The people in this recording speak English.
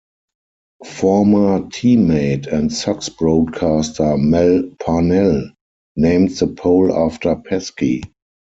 Former teammate and Sox broadcaster Mel Parnell named the pole after Pesky.